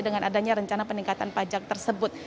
dengan adanya rencana peningkatan pajak tersebut